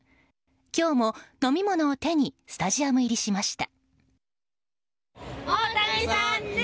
今日も飲み物を手にスタジアム入りしました。